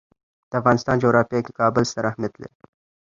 د افغانستان جغرافیه کې کابل ستر اهمیت لري.